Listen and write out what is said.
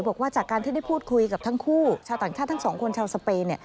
บอกว่าจากการที่ได้พูดคุยกับทั้งคู่ชาวต่างชาติทั้งสองคนชาวสเปน